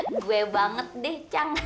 gue banget deh cang